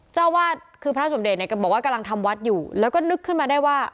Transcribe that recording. เจ้าวาดคือพระสมเดชน์เนี่ยบอกว่ากำลังทำวัดอยู่แล้วก็นึกขึ้นมาได้ว่า